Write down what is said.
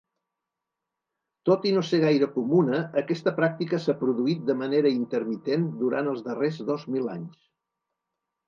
Tot i no ser gaire comuna, aquesta pràctica s'ha produït de manera intermitent durant els darrers dos mil anys.